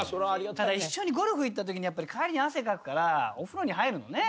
ただ一緒にゴルフ行ったときにやっぱり汗かくからお風呂に入るのね。